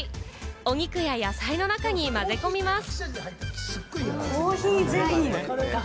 お肉や野菜の中に混ぜ込みます。